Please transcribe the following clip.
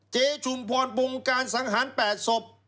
เจชุมพรปรุงการสังหารแปดศพ